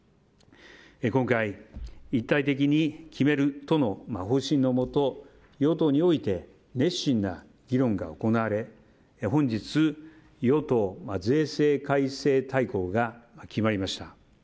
今回、一体的に決めるとの方針のもと与党において熱心な議論が行われ本日、与党税制改正大綱が決まりました。